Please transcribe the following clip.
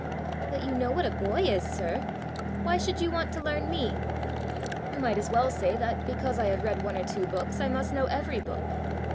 "But you know what a boy is, sir! Why should you want to learn me?" "You might as well say, that because I have read one or two books, I must know every book.